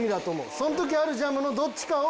その時あるジャムのどっちかを。